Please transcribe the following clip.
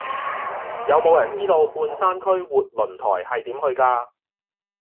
有無人知道半山區活倫台係點去㗎